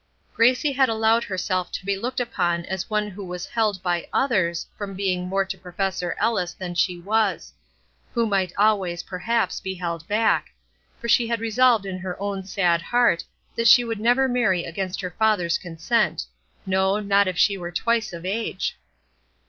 Gracie had allowed herself to be looked upon as one who was held by others from being more to Professor Ellis than she was; who might always, perhaps, be held back, for she had resolved in her own sad heart that she would never marry against her father's consent, no, not if she were twice of age.